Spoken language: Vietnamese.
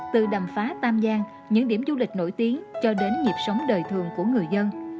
từ đầm phá tam giang những điểm du lịch nổi tiếng cho đến nhịp sống đời thường của người dân